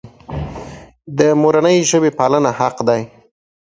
د مورنۍ ژبې پالنه حق دی.